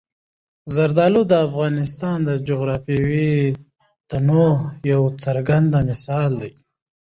زردالو د افغانستان د جغرافیوي تنوع یو څرګند مثال دی.